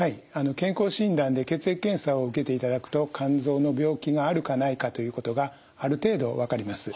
健康診断で血液検査を受けていただくと肝臓の病気があるかないかということがある程度分かります。